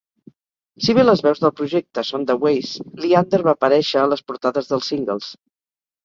Si bé les veus del projecte són de Wace, Leander va aparèixer a les portades dels singles.